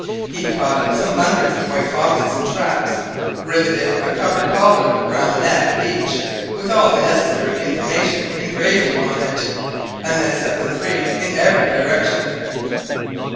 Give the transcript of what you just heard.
He caught some hundreds of white foxes in traps, rivetted a copper collar round the neck of each with all the necessary information engraved upon it, and then set them free in every direction."